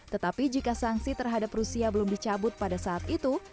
tetapi jika sanksi terhadap rusia belum dicabut pada saat itu